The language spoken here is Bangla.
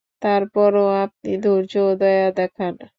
তারপর ও আপনি ধৈর্য ও দয়া দেখান।